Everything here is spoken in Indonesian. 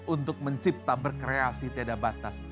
untuk mencipta berkreasi tidak batas